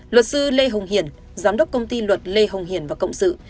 luật sư lê hồng hiển giám đốc công ty luật lê hồng hiển và cộng sự